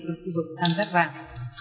của khu vực tăng giáp vàng